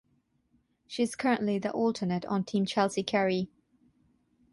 She is currently the alternate on Team Chelsea Carey.